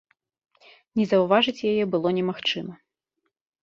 Не заўважыць яе было немагчыма.